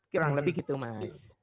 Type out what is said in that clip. kurang lebih gitu mas